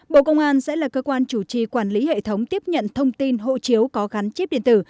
bộ công an sẽ là cơ quan chủ trì quản lý hệ thống tiếp nhận thông tin hộ chiếu có gắn chip điện tử